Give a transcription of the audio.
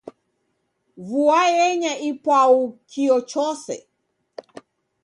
Vua yenya ipwau, kio chose